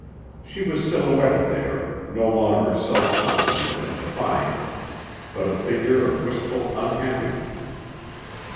She was silhouetted there, no longer self confident and defiant but a figure of wistful unhappiness.